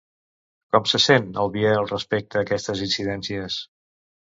Com se sent, el Biel, respecte aquestes incidències?